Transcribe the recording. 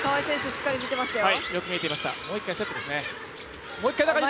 しっかり見ていましたよ。